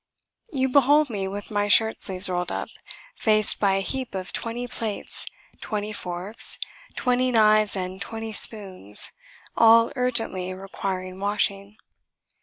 You behold me, with my shirt sleeves rolled up, faced by a heap of twenty plates, twenty forks, twenty knives and twenty spoons, all urgently requiring washing.